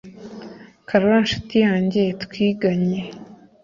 karoli nshuti yanjye twiganye